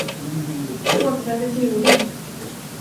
Vi återvänder till jorden.